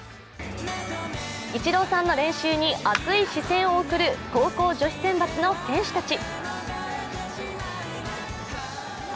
イチローさんの練習に熱い視線を送る高校女子選抜の選手たち。